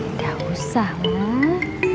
nggak usah mah